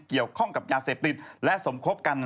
เกี่ยวข้องกับยาเสพติดและสมคบกัน